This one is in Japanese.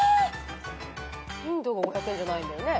リンドウは５００円じゃないんだよね。